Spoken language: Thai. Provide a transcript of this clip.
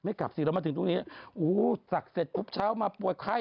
กลับสิเรามาถึงตรงนี้อู้ศักดิ์เสร็จปุ๊บเช้ามาป่วยไข้